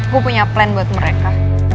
gue punya plan buat mereka